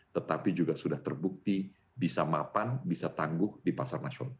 tetapi juga sudah terbukti bisa mapan bisa tangguh di pasar nasional